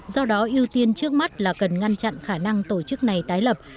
do đó ưu tiên trước mắt là cần ngăn chặn khả năng tổ chức này tái lập